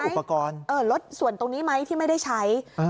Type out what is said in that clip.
หรืออาจจะลดส่วนตรงนี้ไหมที่ไม่ได้ใช้เออ